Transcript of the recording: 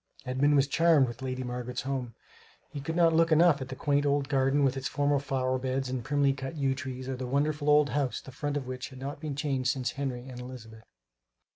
Edmund was charmed with Lady Margaret's home. He could not look enough at the quaint old garden with its formal flower beds and primly cut yew trees, or the wonderful old house, the front of which had not been changed since Henry and Elizabeth.